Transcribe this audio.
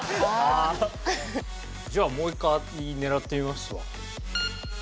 じゃあもう一回狙ってみますわ。